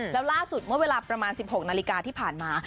แล้วล่าสุดเมื่อเวลาประมาณ๑๖นาฬิกาที่ผ่านมา